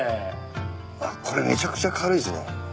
これめちゃくちゃ軽いですね。